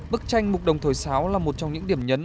bức tranh mục đồng thổi sáo là một trong những điểm nhấn